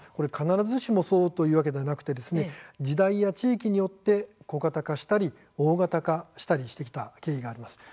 必ずしもそうということではなく時代や地域によって小型化したり大型化してきた経緯があります。